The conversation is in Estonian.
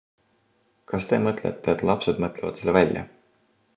Kas te mõtlete, et lapsed mõtlevad selle välja?